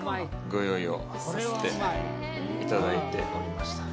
ご用意をさせていただいておりました。